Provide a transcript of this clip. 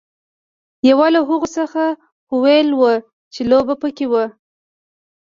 یوه له هغو څخه هویل وه چې لوبه پکې وه.